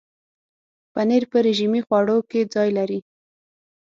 پنېر په رژیمي خواړو کې ځای لري.